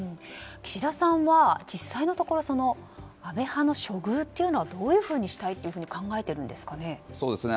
岸田さんは実際のところ安倍派の処遇というのはどういうふうにしたいと考えているんですかね。